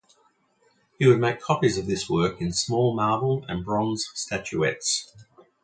He would make copies of this work in small marble and bronze statuettes.